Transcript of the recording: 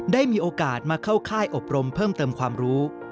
ได้มีโอกาสมาเข้าค่ายอบรมเพิ่มเติมความรู้